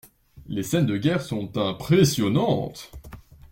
Les scènes de guerre sont impressionnantes.